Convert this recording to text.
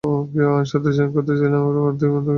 কেউ আমার সাথে জয়েন করতে চাইলে, উপর থেকে বন্দুক নিয়ে নাও।